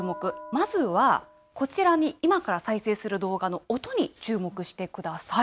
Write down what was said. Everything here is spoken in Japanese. まずはこちらに、今から再生する動画の音に注目してください。